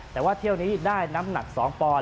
แต่ว่าเที่ยวนี้ได้น้ำหนัก๒ปอนด